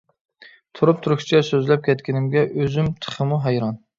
تۇرۇپ تۈركچە سۆزلەپ كەتكىنىمگە ئۆزۈم تېخىمۇ ھەيران.